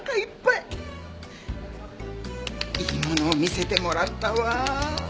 いいものを見せてもらったわ。